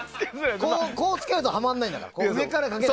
こうつけるとはまらないんだから。